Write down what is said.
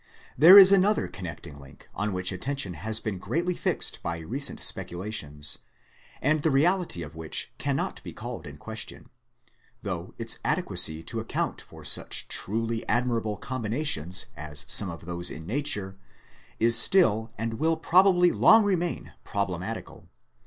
There is another connecting link on which attention has been greatly fixed by recent speculations, and the reality of which cannot be called in question, though its adequacy to account for such truly admirable com binations as some of those in Nature, is still and will probably long remain problematical.